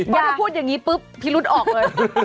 ถ้าพูดอย่างนี้ปุ๊บพิรุษออกเลย